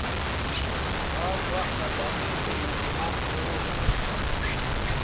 آز وختہ دݜیئں سو امتحان شرو تھو